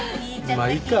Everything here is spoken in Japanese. まあいいか。